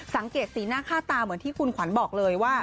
สังเกตสีหน้าค่าตาเหมือนที่คุณขวัญบอกเลยว่า